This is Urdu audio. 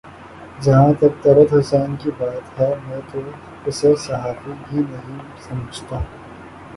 جہاں تک طلعت حسین کی بات ہے میں تو اسے صحافی ہی نہیں سمجھتا